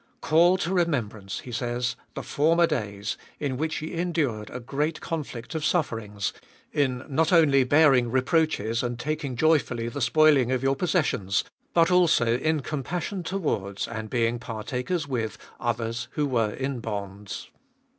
Call to remembrance, he says, the former days, in which ye endured a great conflict of sufferings, in not only bearing reproaches and taking joyfully the spoiling of your possessions, but also in compassion towards and being par takers with others who were in bonds.